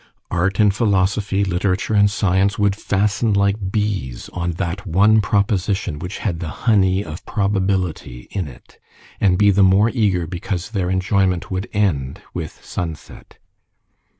Art and philosophy, literature and science, would fasten like bees on that one proposition which had the honey of probability in it, and be the more eager because their enjoyment would end with sunset.